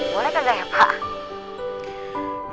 boleh nggak ya pak